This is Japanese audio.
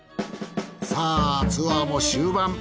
さぁツアーも終盤。